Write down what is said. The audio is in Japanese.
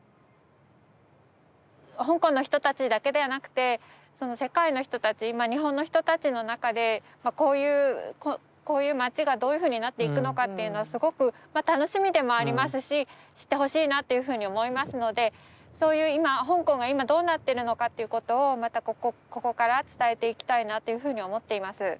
香港の人たちだけではなくてその世界の人たちまあ日本の人たちの中でこういうこういう街がどういうふうになっていくのかっていうのはすごくまあ楽しみでもありますし知ってほしいなというふうに思いますのでそういう香港が今どうなってるのかということをまたここから伝えていきたいなというふうに思っています。